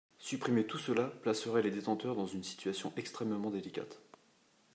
Supprimer tout cela placerait les détenteurs dans une situation extrêmement délicate.